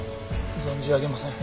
存じ上げません。